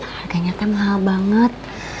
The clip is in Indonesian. harganya te mahal banget